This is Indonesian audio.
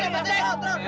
tunggu tunggu tunggu